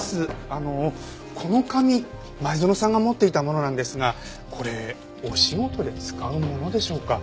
あのこの紙前園さんが持っていたものなんですがこれお仕事で使うものでしょうか？